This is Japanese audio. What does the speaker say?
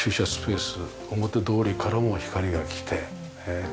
表通りからも光が来てねえ。